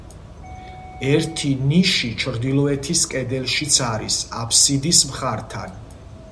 ერთი ნიში ჩრდილოეთის კედელშიც არის, აფსიდის მხართან.